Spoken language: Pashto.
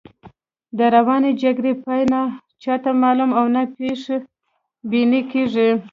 د روانې جګړې پای نه چاته معلوم او نه یې پیش بیني کېږي.